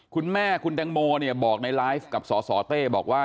คุณแม่คุณแตงโมเนี่ยบอกในไลฟ์กับสสเต้บอกว่า